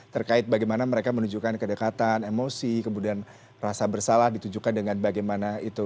terkait bagaimana mereka menunjukkan kedekatan emosi kemudian rasa bersalah ditunjukkan dengan bagaimana itu